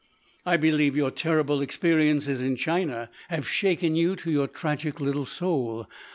"I believe your terrible experiences in China have shaken you to your tragic little soul.